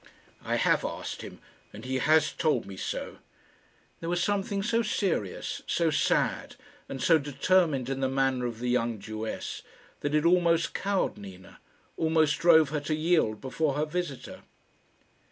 "I have asked him, and he has told me so." There was something so serious, so sad, and so determined in the manner of the young Jewess, that it almost cowed Nina almost drove her to yield before her visitor.